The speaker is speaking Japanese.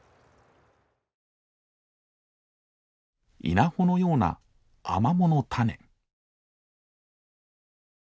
稲穂のようなアマモの種。